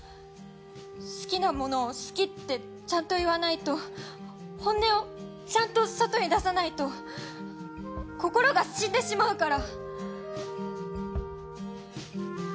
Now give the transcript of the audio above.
好きなものを好きってちゃんと言わないと本音をちゃんと外へ出さないと心が死んでしまうから。